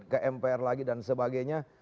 ke mpr lagi dan sebagainya